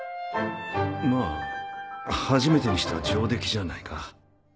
まぁ初めてにしては上出来じゃないか？